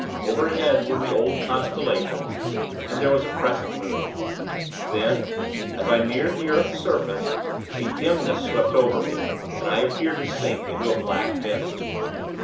Overhead were the old constellations, and there was a crescent moon. Then, as I neared the earth's surface, a dimness swept over me, and I appeared to sink into a black mist.